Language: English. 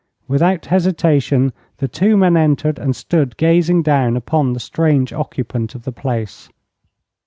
Without hesitation, the two men entered and stood gazing down upon the strange occupant of the place.